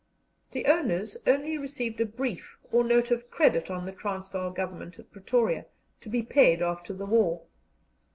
The owners only received a "brief" or note of credit on the Transvaal Government at Pretoria, to be paid after the war.